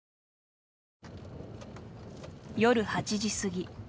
夜８時過ぎ。